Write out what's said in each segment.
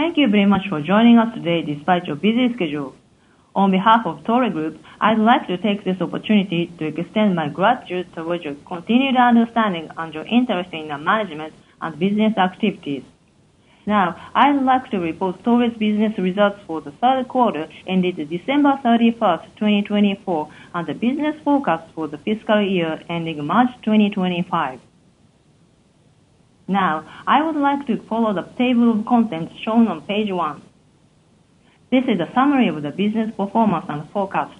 Thank you very much for joining us today despite your busy schedule. On behalf of Toray Group, I'd like to take this opportunity to extend my gratitude towards your continued understanding and your interest in our management and business activities. Now, I'd like to report Toray's business results for the third quarter ended December 31st, 2024, and the business forecast for the fiscal year ending March 2025. Now, I would like to follow the table of contents shown on page 1. This is a summary of the business performance and forecast.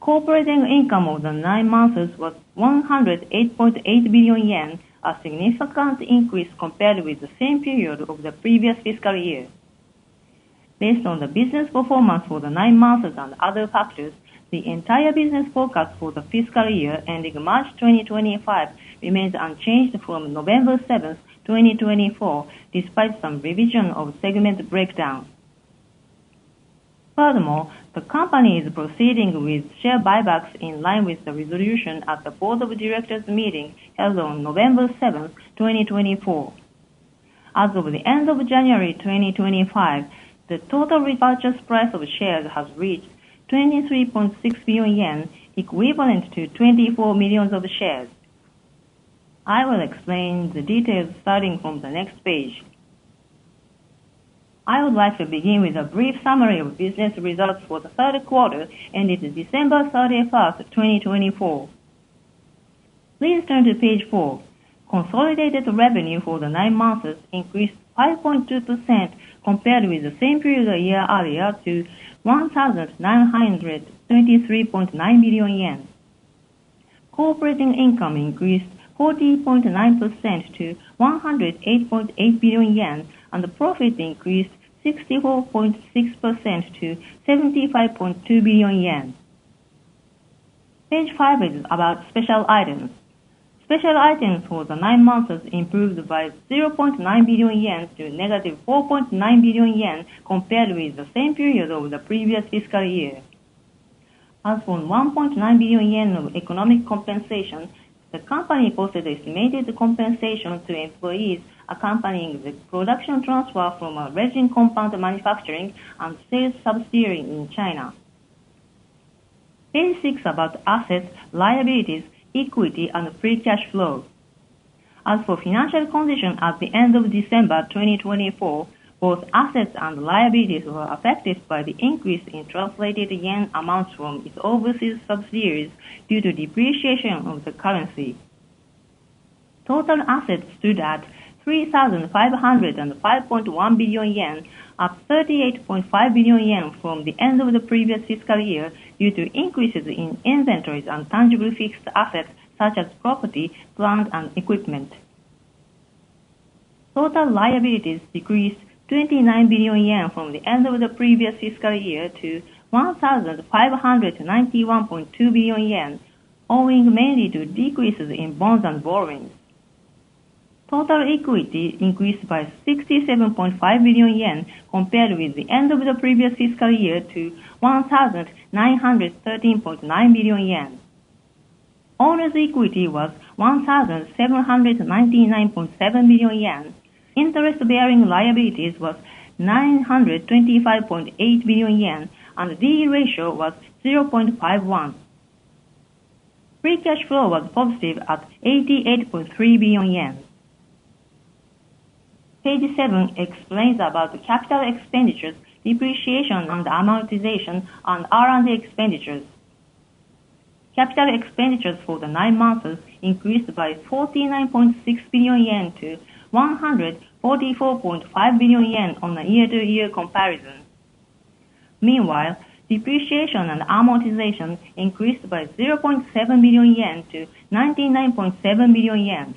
Core operating income over the nine months was 108.8 billion yen, a significant increase compared with the same period of the previous fiscal year. Based on the business performance for the nine months and other factors, the entire business forecast for the fiscal year ending March 2025 remains unchanged from November 7th, 2024, despite some revision of segment breakdown. Furthermore, the company is proceeding with share buybacks in line with the resolution at the board of directors meeting held on November 7th, 2024. As of the end of January 2025, the total repurchase price of shares has reached 23.6 billion yen, equivalent to 24 million shares. I will explain the details starting from the next page. I would like to begin with a brief summary of business results for the third quarter ended December 31st, 2024. Please turn to page 4. Consolidated revenue for the 9 months increased 5.2% compared with the same period of year earlier to 1,923.9 billion yen. Core operating income increased 40.9% to 108.8 billion yen, and the profit increased 64.6% to 75.2 billion yen. Page 5 is about special items. Special items for the 9 months improved by 0.9 billion yen to negative 4.9 billion yen compared with the same period of the previous fiscal year. As for 1.9 billion yen of economic compensation, the company posted estimated compensation to employees accompanying the production transfer from a resin compound manufacturing and sales subsidiary in China. Page 6 about assets, liabilities, equity, and free cash flow. As for financial condition at the end of December 2024, both assets and liabilities were affected by the increase in translated yen amounts from its overseas subsidiaries due to depreciation of the currency. Total assets stood at 3,505.1 billion yen, up 38.5 billion yen from the end of the previous fiscal year due to increases in inventories and tangible fixed assets such as property, plants, and equipment. Total liabilities decreased 29 billion yen from the end of the previous fiscal year to 1,591.2 billion yen, owing mainly to decreases in bonds and borrowings. Total equity increased by 67.5 billion yen compared with the end of the previous fiscal year to 1,913.9 billion yen. Owners' equity was 1,799.7 billion yen. Interest-bearing liabilities was 925.8 billion yen, and the D/E ratio was 0.51. Free cash flow was positive at 88.3 billion yen. Page 7 explains about capital expenditures, depreciation, and amortization, and R&D expenditures. Capital expenditures for the nine months increased by 49.6 billion yen to 144.5 billion yen on a year-to-year comparison. Meanwhile, depreciation and amortization increased by 0.7 billion yen to 99.7 billion yen.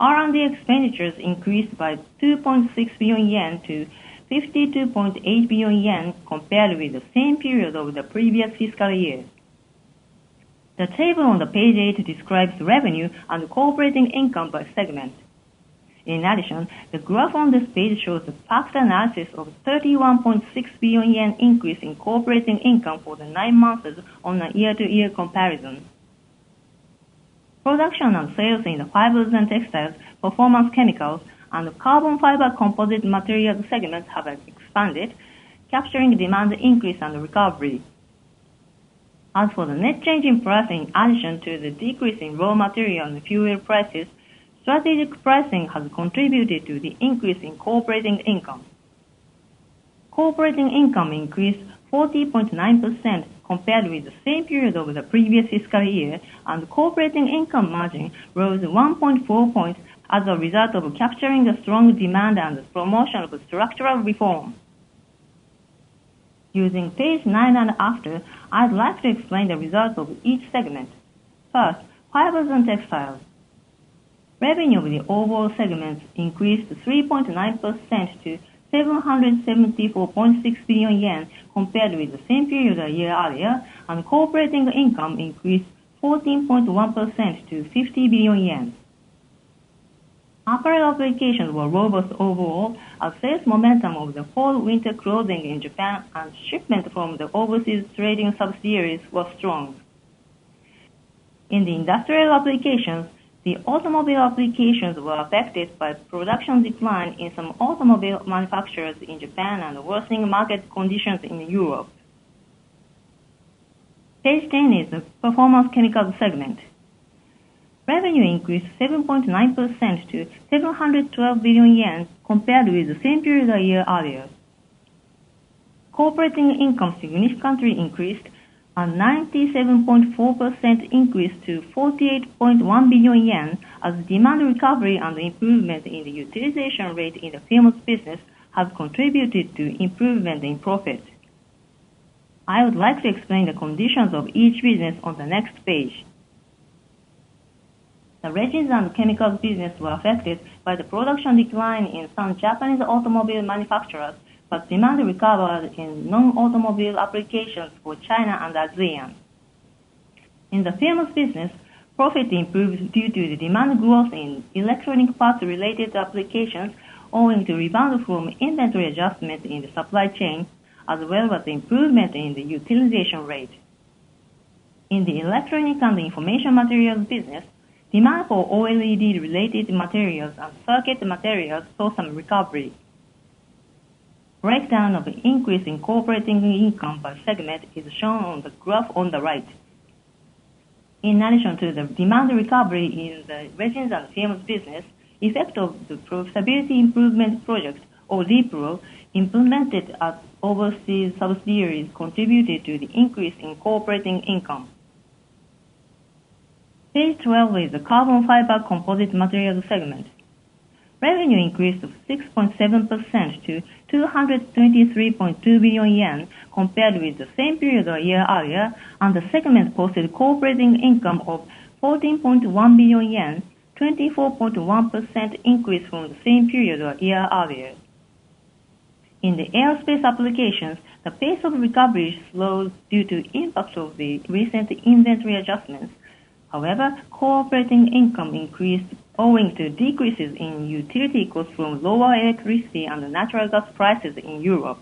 R&D expenditures increased by 2.6 billion yen to 52.8 billion yen compared with the same period of the previous fiscal year. The table on page 8 describes revenue and core operating income by segment. In addition, the graph on this page shows a factor analysis of a 31.6 billion yen increase in core operating income for the nine months on a year-to-year comparison. Production and sales in the fibers and textiles, performance chemicals, and carbon fiber composite materials segments have expanded, capturing demand increase and recovery. As for the net changing price in addition to the decrease in raw material and fuel prices, strategic pricing has contributed to the increase in core operating income. Core operating income increased 40.9% compared with the same period of the previous fiscal year, and core operating income margin rose 1.4 points as a result of capturing strong demand and the promotion of structural reform. Using page 9 and after, I'd like to explain the results of each segment. First, Fibers and Textiles. Revenue of the overall segments increased 3.9% to 774.6 billion yen compared with the same period of year earlier, and core operating income increased 14.1% to 50 billion yen. Apparel applications were robust overall, as sales momentum of the fall/winter clothing in Japan and shipment from the overseas trading subsidiaries were strong. In the industrial applications, the automobile applications were affected by production decline in some automobile manufacturers in Japan and worsening market conditions in Europe. Page 10 is the performance chemicals segment. Revenue increased 7.9% to 712 billion yen compared with the same period of year earlier. Core operating income significantly increased and 97.4% increased to 48.1 billion yen, as demand recovery and improvement in the utilization rate in the films business have contributed to improvement in profit. I would like to explain the conditions of each business on the next page. The resins and chemicals business were affected by the production decline in some Japanese automobile manufacturers, but demand recovered in non-automobile applications for China and ASEAN. In the films business, profit improved due to the demand growth in electronic parts-related applications, owing to rebound from inventory adjustment in the supply chain, as well as improvement in the utilization rate. In the electronic and information materials business, demand for OLED-related materials and circuit materials saw some recovery. Breakdown of the increase in core operating income by segment is shown on the graph on the right. In addition to the demand recovery in the resins and films business, effect of the profitability improvement project, or D-Pro, implemented at overseas subsidiaries contributed to the increase in core operating income. Page 12 is the carbon fiber composite materials segment. Revenue increased 6.7% to 223.2 billion yen compared with the same period of year earlier, and the segment posted core operating income of 14.1 billion yen, 24.1% increase from the same period of year earlier. In the aerospace applications, the pace of recovery slowed due to impacts of the recent inventory adjustments. However, core operating income increased owing to decreases in utility costs from lower electricity and natural gas prices in Europe.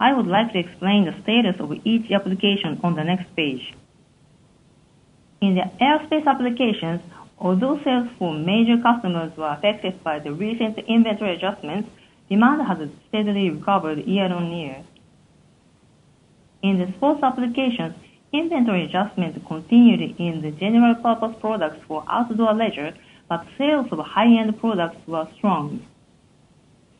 I would like to explain the status of each application on the next page. In the aerospace applications, although sales for major customers were affected by the recent inventory adjustments, demand has steadily recovered year-on-year. In the sports applications, inventory adjustment continued in the general-purpose products for outdoor leisure, but sales of high-end products were strong.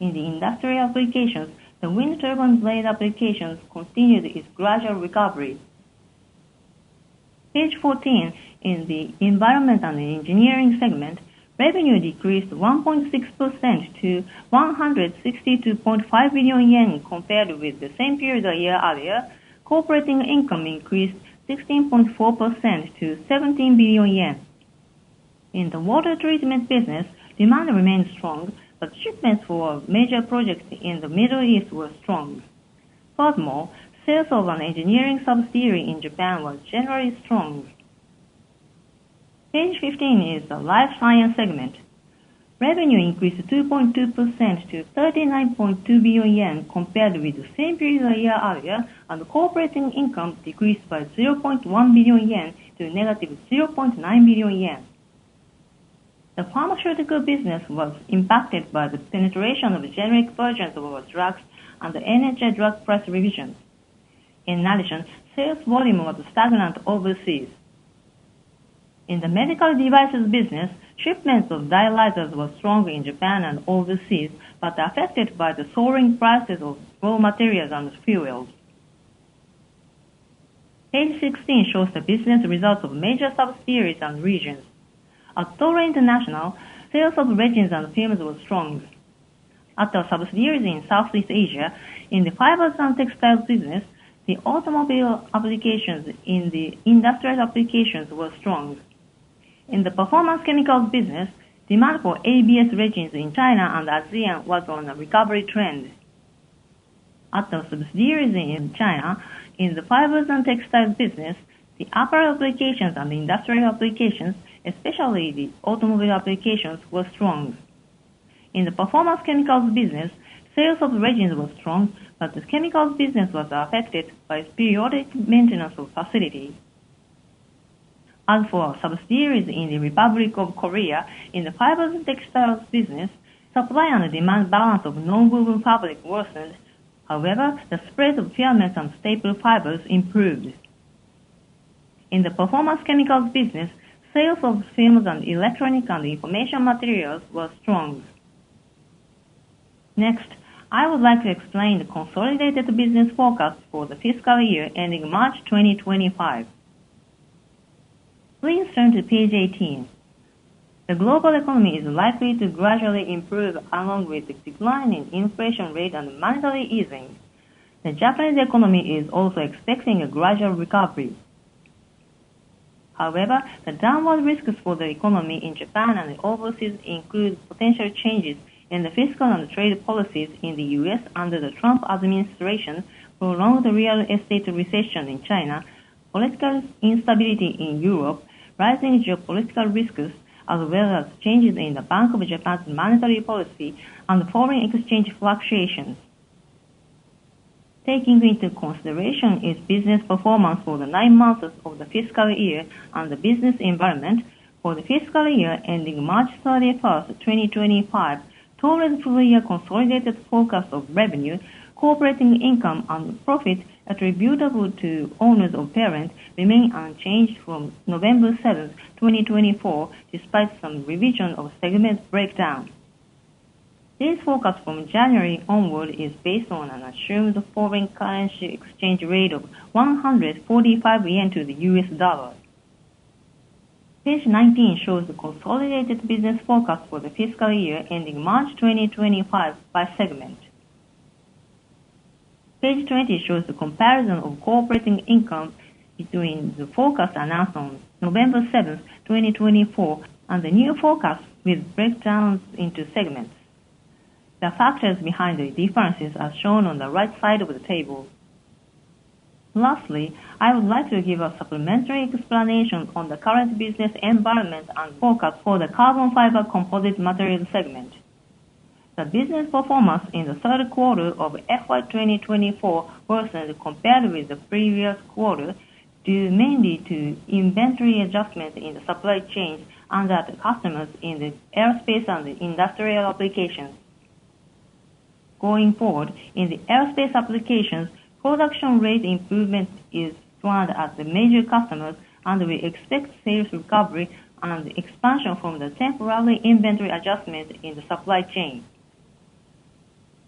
In the industrial applications, the wind turbine blade applications continued its gradual recovery. Page 14, in the environment and engineering segment, revenue decreased 1.6% to 162.5 billion yen compared with the same period of year earlier, core operating income increased 16.4% to 17 billion yen. In the water treatment business, demand remained strong, but shipments for major projects in the Middle East were strong. Furthermore, sales of an engineering subsidiary in Japan were generally strong. Page 15 is the life science segment. Revenue increased 2.2% to 39.2 billion yen compared with the same period of year earlier, and core operating income decreased by 0.1 billion yen to 0.9 billion yen. The pharmaceutical business was impacted by the penetration of generic versions of drugs and the NHI drug price revision. In addition, sales volume was stagnant overseas. In the medical devices business, shipments of dialyzers were strong in Japan and overseas, but affected by the soaring prices of raw materials and fuels. Page 16 shows the business results of major subsidiaries and regions. At Toray International, sales of resins and films were strong. At the subsidiaries in Southeast Asia, in the fibers and textiles business, the automobile applications in the industrial applications were strong. In the performance chemicals business, demand for ABS resins in China and ASEAN was on a recovery trend. At the subsidiaries in China, in the fibers and textiles business, the apparel applications and the industrial applications, especially the automobile applications, were strong. In the performance chemicals business, sales of resins were strong, but the chemicals business was affected by periodic maintenance of facilities. As for subsidiaries in the Republic of Korea, in the fibers and textiles business, supply and demand balance of non-woven fabric worsened. However, the spread of filament and staple fibers improved. In the performance chemicals business, sales of films and electronic and information materials were strong. Next, I would like to explain the consolidated business forecast for the fiscal year ending March 2025. Please turn to page 18. The global economy is likely to gradually improve along with the decline in inflation rate and monetary easing. The Japanese economy is also expecting a gradual recovery. However, the downward risks for the economy in Japan and overseas include potential changes in the fiscal and trade policies in the U.S. under the Trump administration, prolonged real estate recession in China, political instability in Europe, rising geopolitical risks, as well as changes in the Bank of Japan's monetary policy and foreign exchange fluctuations. Taking into consideration its business performance for the nine months of the fiscal year and the business environment, for the fiscal year ending March 31st, 2025, Toray's full-year consolidated forecast of revenue, core operating income, and profit attributable to owners of parent remain unchanged from November 7th, 2024, despite some revision of segment breakdown. This forecast from January onward is based on an assumed foreign currency exchange rate of 145 yen to the U.S. dollar. Page 19 shows the consolidated business forecast for the fiscal year ending March 2025 by segment. Page 20 shows the comparison of core operating income between the forecast announced on November 7th, 2024, and the new forecast with breakdowns into segments. The factors behind the differences are shown on the right side of the table. Lastly, I would like to give a supplementary explanation on the current business environment and forecast for the carbon fiber composite materials segment. The business performance in the third quarter of FY 2024 worsened compared with the previous quarter due mainly to inventory adjustments in the supply chains and at customers in the aerospace and industrial applications. Going forward, in the aerospace applications, production rate improvement is planned at the major customers, and we expect sales recovery and expansion from the temporary inventory adjustment in the supply chain.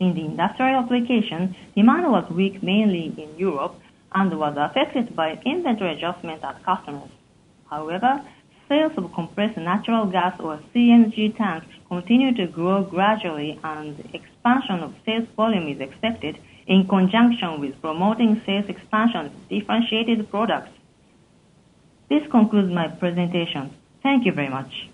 In the industrial application, demand was weak mainly in Europe and was affected by inventory adjustment at customers. However, sales of compressed natural gas or CNG tanks continue to grow gradually, and the expansion of sales volume is expected in conjunction with promoting sales expansion to differentiated products. This concludes my presentation. Thank you very much.